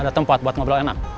ada tempat buat ngobrol enak